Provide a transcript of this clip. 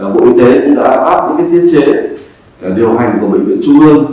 bộ y tế cũng đã áp những thiết chế điều hành của bệnh viện trung ương